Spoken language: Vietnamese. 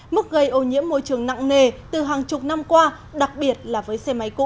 mức gây ô nhiễm môi trường nặng nề từ hàng chục năm qua đặc biệt là với xe máy cũ